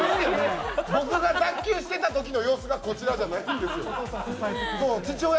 僕が脱臼してたときの様子がこちらじゃないんですよ。